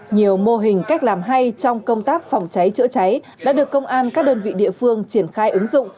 nhiều mô hình cách làm hay trong công tác phòng cháy chữa cháy đã được công an các đơn vị địa phương triển khai ứng dụng